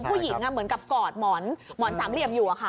ผู้หญิงเหมือนกับกรอดหมอนสามเหลี่ยมอยู่อะค่ะ